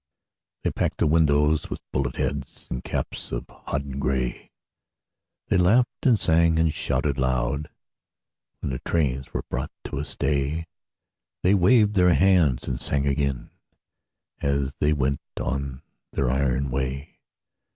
They packed the windows with bullet heads And caps of hodden gray; They laughed and sang and shouted loud When the trains were brought to a stay; They waved their hands and sang again As they went on their iron way.